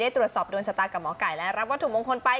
ได้ตรวจสอบโดนสตาร์ทกับหมอไก่และรับวัตถุงมงคลไป